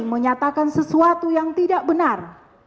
menyatakan sesuatu yang tidak benar